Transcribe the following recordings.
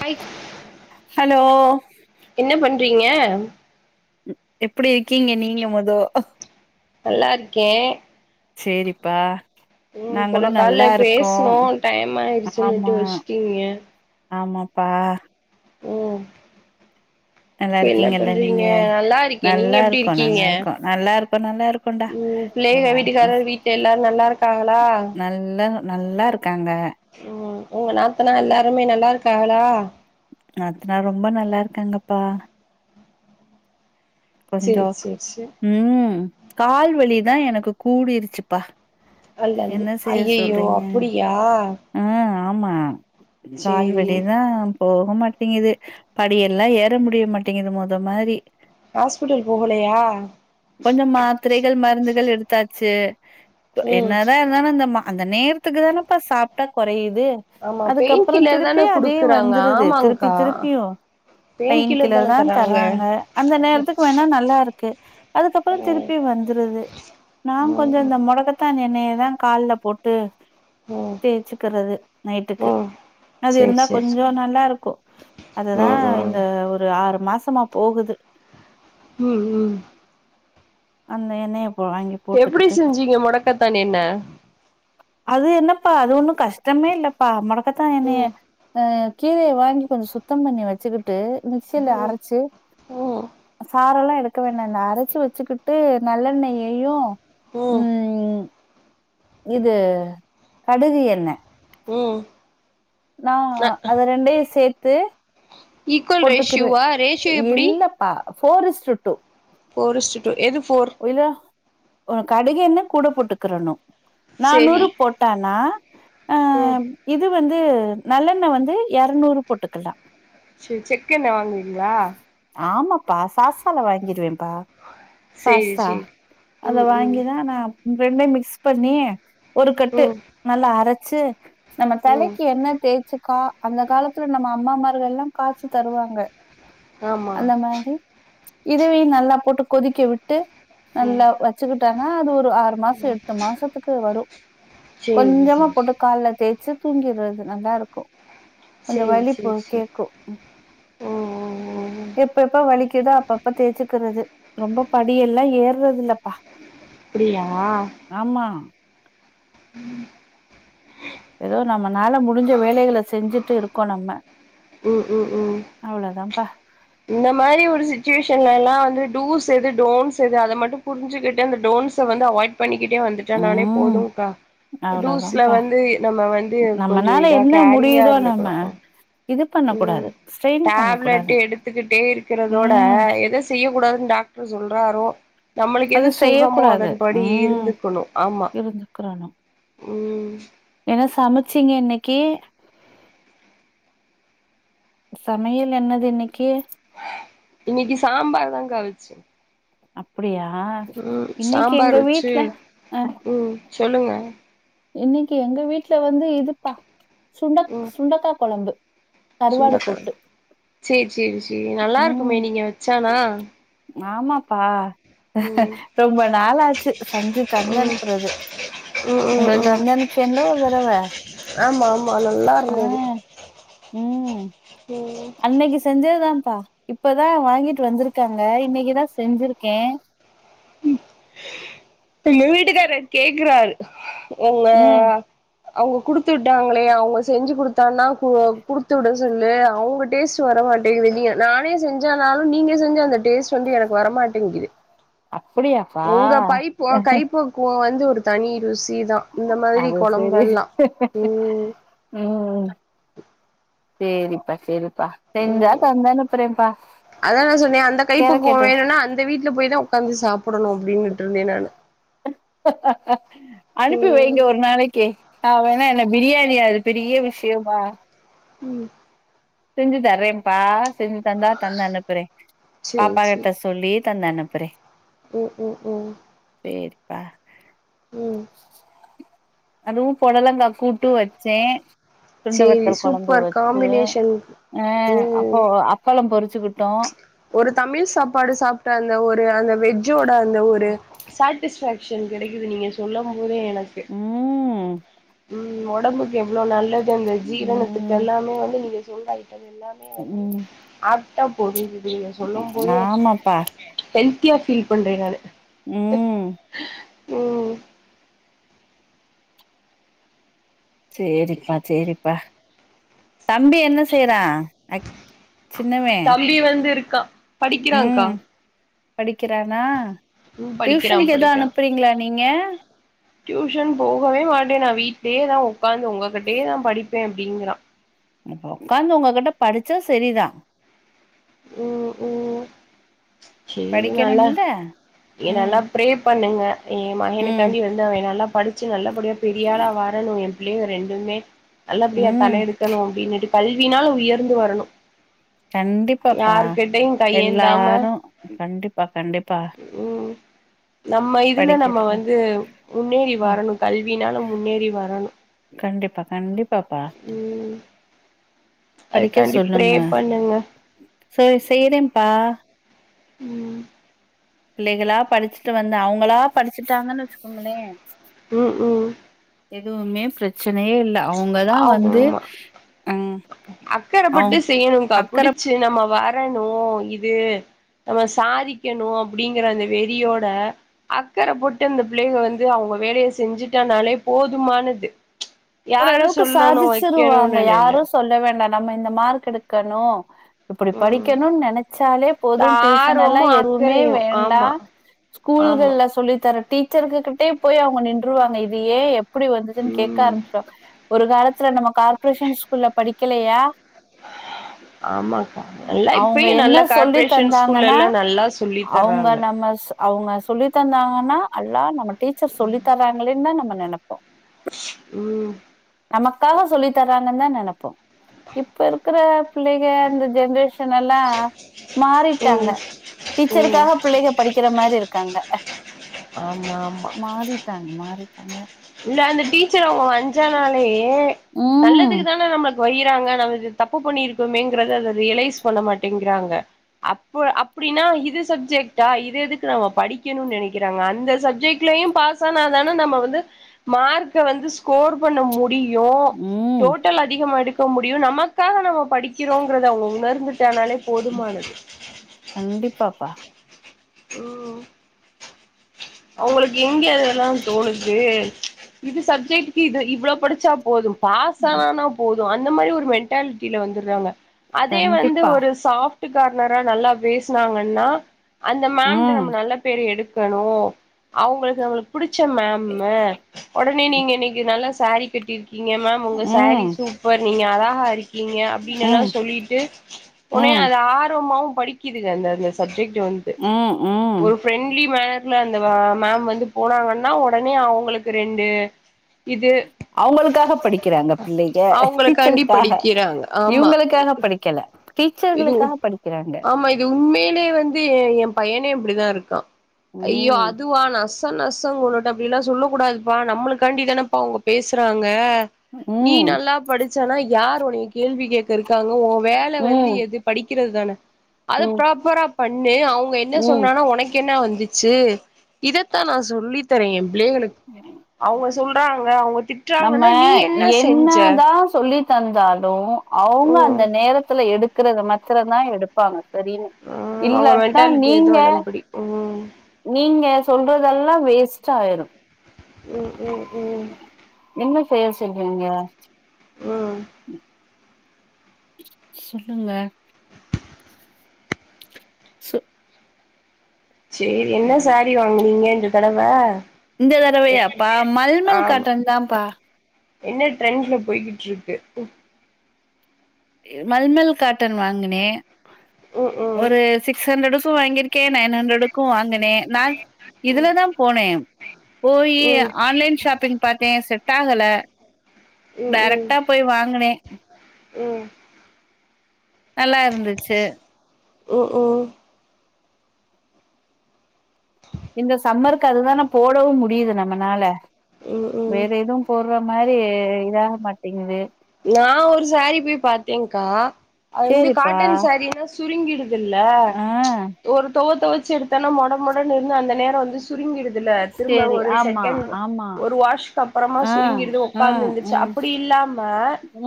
hi hello என்ன பண் றீங்க எப்டி இருக்கீங்க நீங்க மொதோ நல்லா இருக்கேன் சேரிப்பா உம் நாங்களு போனக்கால்ல நல்லா இருக்கோ பேசுனோ ஆமா டைமாய்டுச்சுன்னனுட்டு வச்சுட்டீங்க ஆமாப்பா ம் நல்லா இப்ப என்ன இருக்கீங்கல்ல பன்றீங்க நீங்க நல்லா இருக்கேன் நீங்க நல்லா எப்டி இருக்கோ இருக்கீங்க நல்லா இருக்கோ நல்லா இருக்கோ நல்லா இருக்கோன்டா உம் பிள்ளைக நல்லா இருக்கோ வீட்டுக்காரர் வீட்டு எல்லாரும் நல்லா இருக்காகளா நல்லா நல்லா இரு உம் உங்க நாத்தனா எல்லாருமே நல்லா இருக்கா ளா நாத்தனா ரொம்ப நல்லா இருக்காங்கப்பா சேரி கொஞ்சம் சேரி சேரி உம் கால்வலி தான் எனக்கு கூடிடுச்சுப்பா நல்லது ஐய்யயோ அப்புடியா ஆ ஆமா கால்வெடிதான் போக மாட்டேங்குது படியெல்லாம் ஏற முடிய மாட்டேங்குது மொத மாதிரி ஹாஸ்பிட்டல் போகலையா கொஞ்சம் மாத்திரைகள் மருந்துகள் எடுத்து தாச்சு ம் என்னதான் இருந்தாலும் அந்த மா அந்த நேரத்துக்கு தானப்ப சாப்ட்டா கொறையுது து ஆமா பெயின் அதுக்கப்புறம் கில்லர் திருப்பி தான அதே குடுக்குறாங்க வந்துருது திருப்பி ஆமாங்க்கா திருப்பியும் பெயின் கில்லர் தான் தராங்க அந்த நேரத்துக்கு நல்லா இருக்கு அதுக்கப்புறம் ம் திருப்பி வந்துருது நான் கொஞ்சம் ம் இந்த முடகத்தான் இ எண்ணே தான் கால்ல போட்டு தேய்சுக்குறது நைட்டுக்கு ம் அது சேரி இருந்தா சேரி சேரி கொஞ்சம் ம் நல்லா இருக்கும் அதுதான் ம் இந்த ஒரு ஆரு மாசமா போகுது உம் உம் அந்த என்னைய எப்டி செஞ்சீங்க முடக்கத்தான் என்ன அது என்னப்பா அது ஒண்ணு கஷ்டமே இல்லப்பா மக பதா என்னய ம் அ கீரைய வாங்கி கொஞ்ச சுத்தம் பண்ணி வச்சுரு ட்டு மிக்சில ம் அரச்சு ம் சாரல்லா எடுக்க வேண்டான்ன அரச்சு வச்சுக்கிட்டு நல்லெண்ணெய்யையு உம் இது கடுகு எண்ண உம் நா அத ரெண்டயு சேத் து ஈக்குவல் ரேஷ்யூவா ரேஷ்யு எப்புடி இல்லப்பா four is to two four is to two எது ஃபோர் ஒ கடுகு எண்ண கூட போட்டுக்குறணு சேரி நானூறு போட்டனா ஆ ம் இது வந் து நல்லெண்ண வந்து எறநூறு போட்டுக்கல்லா சே செக்கெண்ண வாங்குவீங்ளா ஆமாப்பா சாசால வாங்கிருவேம் பா சேரி ஸாஸா சேரி அத ம் ம் வாங்கிதா நா ரெண்டை மிக்ஸ் பண்ணி ஒரு கட்டு ம் நல்லா அரச் சு நம்ம ம் தலைக்கு எண்ண தேச்சு கா அந்த காலத்துல நம்ம அம்மாமார்கள்லா காச்சு தருவாங்க ஆமா அந்த மாரி இதுவையு நல்லா போட்டு கொதிக்க விட்டு ம் நல்லா வச்சுக்கிட்டானா அது ஒரு ஆறு மாசொ எட்டு மாசத்துக்கு வரு சேரி கொஞ்சமா சேரி போட்டு கால்ல தேச்சு தூங்கிர்றது நல்லாருக்கூ கொஞ்ச சேரி வலி போ சேரி சேரி கேக்கூ ம் ம் ம் ம் எப்பப்ப வ் வலிக்குதோ அப்பப்ப தேச்சுக்குறது ரொம்ப படியெல்லா ஏர்றதில்லப்பா அப்டியா உம் எதோ நம்மனால முடுஞ்ச வேலைகள செஞ்சுட்டு இருக்கோ நம்ம உம் உம் உம் அவ்ளோதான்ப்பா இந்த மாரி ஒரு சிச்சுவேஷன்ல எல்லா வந் து டூஸ் எது டோன்ஸ் எது அத மட்டு புரிஞ்சுக்குட்டு அந்த டோன்ஸ்ஸ வந்து அவாய்ட் பண்ணிக்கிட்டே வந்துட்டா நானே ம் போதுக்கா டூஸ்ல அவ்ளோதான்ப்பா வந்து நம்ம வந்து கொஞ்சொ நம்மனால இதா என்ன கேரிங்கா முடியுதோ நம்ம இருந்துக்கணு கு இது பண்ண உம் கூடாது ஸ்ட்ரெயின் பண்ண கூடாது டேப்லெட்டு எடுத்துக்கிட்டே இருக்கிறதோட ம் எத செய்யக் கூடாதுன்னு டாக்டரு சொல் ராறோ நம்மளுக்கு அது எது சுகமோ செய்யக்கூடாது அதன்படி ம் இருந்துக்கணு ஆமா இருந்துக்கிறணும் உம் என்ன சமைச்சீங்க இன்னைக்கு சமையல் என்னது இன்னைக்கு இன்னைக்கு சாம்பார் தான்கா வெச்சே அப்பிடியா உம் சாம்பார் வொச்சு அ உம் சொல்லுங்க இன்னைக்கு எங்க வீட்டுல வந்து இதுப்பா சுண்டக் சுண்டக்கா கொழம்பு கருவாடு சுண்டக்கால போட்டு சேரி சேரி சேரி நல்லா இருக்குமே நீங்க வச்சானா ஆமாம் ப்பா ம் ரொம்ப நாள் ஆச்சு செஞ்சு தந்து ம் அனுப்புறது ம் ம் உங்களுக்கு ம் தந்து அனுப்புச்சேன்ல ஒரு தடவ ஆமா ஆமா நல்லா இருந்தது ம் அன்னைக்கு செஞ்சது தான்ப் ப்பா இப்பதா வாங்கிட்டு வந்திருக்காங்க இன்னைக்குதா செஞ்சிருக்கே எங்க வீட்டுக்காரு கேக்குறாரு என்ன ம் அவுங்க குடுத்து விட்டாங்களே அவுங்க செஞ்சு குடுத்தான்னா கு குடுத்து விட சொல்லு அவுங்க டேஸ்ட் வரமாட்டேங்குது நீங்க நானே செஞ்சானாலும் நீங்க செஞ்ச அந்த டேஸ்ட் வந்து எனக்கு வரமாட்டேங்கிது அப்படியாப்பா உங்க பைப்பு கைப்பக்குவோ வந்து தனி ருசிதா இந்த மாரி அது சரி கொழம்பெல்லா உம் ம் சேரிப்பா சேரிப் உம் அதான் நா சொன்னே அந்த கைப்பக்குவோ கேரக்கேட்டு வேணுன்னா அந்த வீட்டுல போயிதான் உக் கஞ்சி சாப் அனுப்பி வைங்க ம் ஒரு நாளைக்கி நா வேணா என்ன பிரியாணி அது பெரிய விஷயமா உம் செஞ்சு தர்றேன்பா செஞ்சு தந்தா தந்து அனுப்புறே பாப்பா கிட்ட சொல்லி தந்து அனுப் புறே உ உ உ சேரிப்பா உம் அதுவும் பொடலங்கா கூட்டு வெச்சேன் சுண்ட சேரி வத்தல் கொழம்பு சூப்பர் வெச்சு காம்பினேஷன் ஏ அப்போ ம் அப்பளம் பொறு வெச்சுகிட்டோ ஒரு தமிழ் சாப்பாடு சாப்பிட்ட அந்த ஒரு அந்த வெஜ்ஜோ ட அந்த ஒரு சாட்டிஸ்பே சன் கெடைக்கிது நீங்க சொல்லம் போதே எனக்கு ம் ம் ஒடம்புக்கு எவ்ளோ நல்ல து அந்த ஜீரணத்துக்கு ம் எல்லாமே வந்து நீங்க சொல்றா ஏ அது எல்லாமே வந்து ம் அது டா போகுது நீங்க சொல்லம் போதே ஆமாப்பா டென் ஹெல்த்தியா பீல் பண்றே நானு ம் ம் சேரிப்பா சேரிப்பா தம்பி என்ன செய்றா அக் சின்னவே க்கா படிக்கிறாங்கக்கா ம் படிக்கிறானா டியூஷனுக்கு எதோ படிக்கிறான் அனுப்புறீங்களா நீங்க டியூஷன் போகவே மாட்டே நா வீட்லயேதா ஒக்காந்து ஒங்ககிட்டயே நா படிப் பே அப்டிங்கிறா அப்ப ஒக்காந்து ஒங்ககிட்ட படிச்சா செரிதா ம் ம் சேரி நல்லா படிக்கணும்ல இங்க ம் நல்லா பிரே பண்ணுங்க ஏ ம் மகனுக்காண்டி வந்து அவே நல்லா படிச்சி நல்ல எப்டியோ பெரியாள வரணு ஏம் புள்ளைங்க ரெண்டுமே நல்ல படியா ம் தல எடுக்கணு அப்டின்னுட்டு கல்வினால் உயர்ந்து வரணு கண்டிப்பாப் பா யாருகிட்டயு கையேந்தாம எல்லாரு கண்டிப்பா கண்டிப்பா நம்ப இதுல நம்ப படிக்கட்டு வந்து முன்னேறி ம் வரனு கல்வினால முன்னேறி வரனு இப்ப கண்டிப் பப்பா படிக்க அதுக்காண்டி ப்ரே சொல்லுங்க பண்ணுங்க சேரி செய்றேன்ப்பா ம் பிள்ளைகளா படிச்சுட்டு வந்த அவுங்களா படிச்சிட்டாங்கன் வச்சுக்கோங்களே ம் ம் தூமே ப்ர சினே இல்ல அவுங்கதா ஆமா வந்து ஆமா ம் அ அக்கறப்பட்டு செய்யணுக்கா அக்கற புடிச்சு நம்ம வரணு இது நம்ம சாதிக்கணு அப்டிங்கிற அந்த வெறியோட அக்கற பொட்டு அந்த பிள்ளைக வந்து அவுங்க வேலைய செஞ்சுட்டனாலே போதுமானது யாரு ஓரளவுக்கு சொல்லணு சாதிச்சிருவாங்க வைக்கணுனு இல்ல யாரு சொல்ல வேண்டாம் நம்ம இந்த மார்க் எடுக்கணூ இப்டி ம் படிக்கணூன் நெனச்சாலே இந்த போது டியூஷனெல்லா ஆர்வமு எதூமே அக்கறையு வேண்டா ஆமா ஆமா ஸ்கூல்கள்ல சொல்லி தர டீச்சர்கு கிட்டே போயி அவுங்க நின்றுவாங்க இது ஏ எப் ப்டி வந்துச்சுனு கேக்க ம் ஆரம்ப்ச் ஒரு காலத்துல நம்ம கார்ப்ரேஷன் ஸ்கூல்ல படிக்கலேயா ஆமாக்கா நல்லா அவுங்க இப்பயு என்ன நல்லா சொல்லி கார்ப்ரேஷன் ஸ்கூல்ல தந்தாங்கனா எல்லா நல்லா சொல்லி அவுங்க தர்றாங்க நம்மஸ் அவுங்க சொல்லி தந்தாங்கனா அல்லா நம்ம டீச்சர் சொல்லி தராங்களேன்தா நம்ம நெனப்போ ம் நமக்காக சொல்லி தறாங்கன் தா நெனப்போ இப்போ இருக்கற பிள்ளைக இந்த ஜென்ரேஷ் தனல்லா மாறிட்டாங்க ம் ம் டீச்சருக்காக பிள்ளைக படிக்கிற மாரி இருக்காங்க ஆமா மா டங்க இல்ல அந்த டீச்சர அவுங்க வஞ்சானாலே ஏ ம் நல்லதுக்குதான நம்ம போயிகிறாங்க நம்ம இது தப்பு பண்ணிருக்கோமேங்கிறத அத ரியலைஸ் பண்ண மாட்டேங்கிறாங்க அப்ப அப்டினா இது சப்ஜெக்ட்டா இது எதுக்கு நம்ம படிக்கனுன் நெனைக்கிறாங்க அந்த சப்ஜக்ட்டிலியும் பாஸ் ஆனாதான நம்ம வந்து மார்க்க வந்து ஸ்கோர் பண்ண முடி யோ ம் டோட்டல் அதிகமா எடுக் க்க முடியு நமக்காக நம்ம படிக்கிறோங்கிறத அவங்க உணர்ந்து ட்டானாலே போதுமானது கண்டிப்பாப்பா ம் அவங்களுக்கு இங்க அதெல்லா தோணுது இது சப்ஜெக்ட்டுக்கு இது இவ்வளோ படிச்சா போதும் பாஸ் ஆனா போ அந்த மாரி ஒரு மென்டால் கீழ வந்துடுறால அதே வந்து கண்டிப்பா ஒரு சாஃப்ட் வீட்டுக்கார் நெரய நல்லா பேசினாங்கன்னா அந்த மாம்ட்ட ம் நம்ம நல்ல பேரு எடுத் கணும் அவங்களுக்கு நம்மளுக்கு பிடிச் ச்ச மாம்மு ஒடனே நீங்க இன்னக்கு நல்ல சாரி கட்டிருக் இங்க மாம் உங்க சாரீ ம் சூப்பர் நீங்க அழகா இருக் க்கீங்க அப்படின்னு எல்லா ம் சொல்லிட்டு ஒனே ம் அது ஆர்வமாவு படிக்குதுக அந்தந்த சப்ஜெக்டு ம் ம் ஒரு ஃபிரெண்ட்லி மான ல அந்த ஆஹ் மாம் வந்து போனாங்கன்னா உடனே அவங்களுக்கு ரெண்டு இது அவங்களுக்காக படிக்கிறாங்க பிள்ளைக அவங்களுக்காண்டி டீச்சருக்காக படிக்கிறாங்க இவங்களுக்காக படிக்கல இதுவு டீச்சர்களுக்காக படிக்கிறாங்க ஆமா இது உண்மையிலவே வந்து எ ஏ பையனே இப்பிடிதா இருக்கா அய்யோ ம் அதுவா நாஸ் நசங்கொன்னுட்ட அப்டி எல்லா சொல்லக் கூடாதுப்பா நம்மளுக்காண்டிதானேப்பா அவுங்க பேசுறாங்க நீ ம் நல்லா படிச்சேனா யார் தோழி கேள்வி கேட்க இருக்காங்க ஓ வேல ம் வந்து படிக்கிறது தான அத ம் ப்ராப்பரா பண்ணு அவங்க என்ன ம் சொன்னானா உனக்கு என்ன வந்து வச்சு இதத்தா நா சொல்லித் தரே எ பிள்ளைகளுக் அவுங்க சொல்றாங்க அவுங் நம்ம என்னதா சொல்லித் தந்தாலு அவுங்க ம் அந்த நேரத்துல எடுத் ருக்கறத மத்திர தா எடுப்பாங்க சரின்னு ம் அவங்க இல்லத்தா மென்டாலிட்டி எதோ நீங்க அதன்படி ம் நீங்க சொல்றதெல்லா வேஸ்ட்டாயிரு உம் உம் என்ன செல்ஸ் செய்கக ம் சொல்லுங்க சு சேரி என்ன சாரி வாங்னீங்க இந்த தடவ இந்த எ தடவையாப்பா மல்மல் ஆமா காட்டன்தாம்ப்பா என்ன ட்ரெண்ட்ல போய்கிட்ருக்கு மல்மல் காட்டன் வாங்குனே ம் ம் ஒரு சிக்ஸ் ஹண்ரடு க்கு வாங்கிருக்கே நைன் ஹண்ட்ரடுக்கு வாங் னே நா ம் இதுலதா போனே போயி ம் ம் ம் ஆன்லைன் ஷாப்பிங் பாத்தே செட்டா சல ம் டேரைக்டா போய் வாங்குனே ம் நல்லா இருந்துச்சு ம் ம் இந்த சம்மருக்கு அதுதான போடவு முடிது நம்மனால ம் ம் வேற எதுவு போ ட்ற மாரி இதாக மாட்டேங்குது நா ஒரு சாரீ போய் பாத்தேங்க்கா அது வந்து சேரிப்பா காட்டன் சாரீனா சுருங்கிடு துல்ல ஆ ஒரு தொவ தொவச்சு எடுத்தோனா மொடமொடன்னு இருந்து அந்த நேரோ வந்து சுருங்கிடு துல திரும்ப சேரி ஒரு ஆமா செகண்ட் ஆமா ஒரு வாஷ்க்கு அப்புறமா ஆ சுருங்கிடுது ஆ ஒக்காந்து ஆ எந்துருச்சா அப்டி இல்லாம ம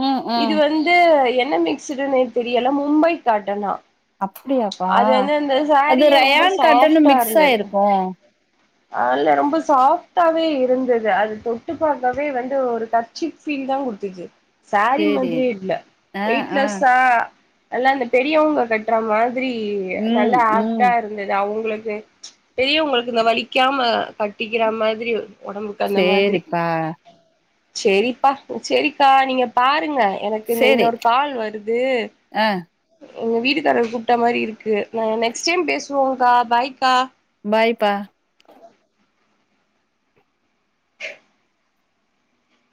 ம் இது ம் வந்து து என்ன மிக்ஸ்டுனே தெரியல மும்பை காட்டனா அப்டியாப்பா அது வந்து அந்த அது சாரியே ரொம்ப ரேயான் காட்டன்னு சாஃப்டா மிக்ஸ் ஆயிருக்கு ஆ, இல்ல ரொம்ப சாஃப்டாவே இருந்துது அத தொட்டு பாக்கவே வந்து ஒரு டர்சி ஃபீல்தா குடு த்துது சாரீ சேரி மாதிரி இல்ல ஆ ஆ வெயிட்லெஸ்சா நல்லா அந்த பெரியவங்க கட்டுற மா திரி நல்ல ம் ம் ஆக்டா இருந்தது அவங்களுக் கு பெரியவங்களுக்கு இந்த வலிக்காம கட்டிக்கிற மாதிரி ஒடம்புக்கு அந்த மாதிரி சேரிப்பா சேரிப்பா சேரிக்கா நீங்க பா ருங்க எனக்கு இந்த சேரி இன்னொரு கால் வருது ஆ எங்க வீட்டுக்காரர் கூப்பிட்ட மாரி இருக்கு நா நெக்ஸ்ட் டைம் பேசுவோங்கா பாய்க்கா பாய்ப்பா